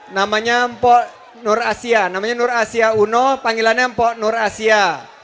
namanya mpok nur asia namanya nur asia uno panggilannya mpok nur asia